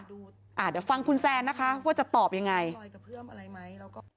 เดี๋ยวฟังคุณแซนนะคะว่าจะตอบยังไงไหม